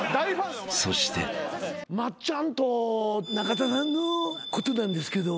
［そして］松ちゃんと中田さんのことなんですけど。